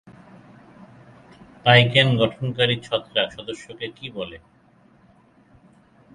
পাইকেন গঠনকারী ছত্রাক সদস্যকে কী বলে?